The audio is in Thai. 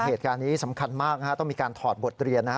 เหตุการณ์นี้สำคัญมากต้องมีการถอดบทเรียนนะ